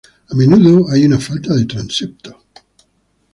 A menudo hay una falta de transepto.